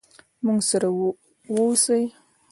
موږ سره ووسئ.